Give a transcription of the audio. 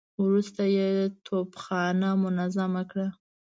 وروسته يې توپخانه منظمه کړه.